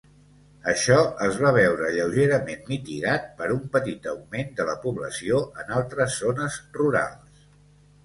Això es va veure lleugerament mitigat per un petit augment de la població en altres zones rurals.